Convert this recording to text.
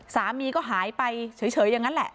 สามีก็หายไปเฉยอย่างนั้นแหละ